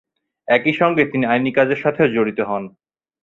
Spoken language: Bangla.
একই সঙ্গে তিনি আইনি কাজের সাথেও জড়িত হন।